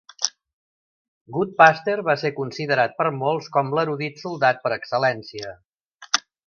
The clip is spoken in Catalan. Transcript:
Goodpaster va ser considerat per molts com l'"erudit soldat" per excel·lència.